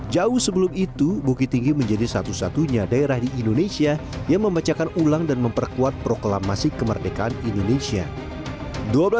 jauh sebelum itu bukit tinggi menjadi satu satunya daerah di indonesia yang membacakan ulang dan memperkuat proklamasi kemerdekaan indonesia